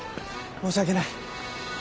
申し訳ない。